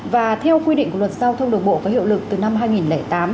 và theo quy định của luật giao thông đường bộ có hiệu lực từ năm hai nghìn tám